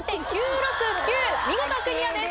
見事クリアです。